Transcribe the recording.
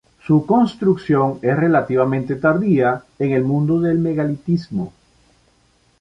Su construcción es relativamente tardía en el mundo del megalitismo.